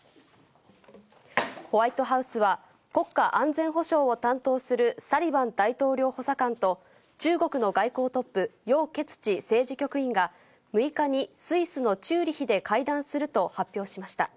ホワイトハウスは、国家安全保障を担当するサリバン大統領補佐官と、中国の外交トップ、楊潔チ政治局員が、６日にスイスのチューリヒで会談すると発表しました。